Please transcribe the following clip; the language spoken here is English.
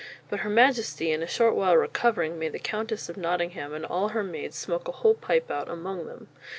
But her Majesty in a short while recovering made the countess of Nottingham and all her maids smoke a whole pipe out among them."